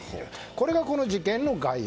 これがこの事件の概要。